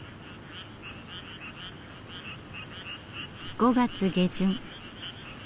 ５月下旬。